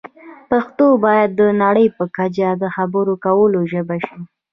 پښتو باید د نړۍ په کچه د خبرو کولو ژبه شي.